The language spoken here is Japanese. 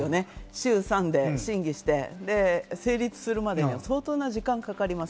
衆参で審議して、成立するまで相当時間がかかります。